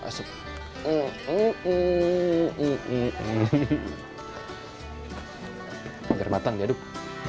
hai agar matang diaduk